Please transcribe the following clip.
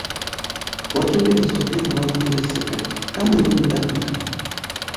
Потым я паступіў ва ўніверсітэт, там было не да гэтага.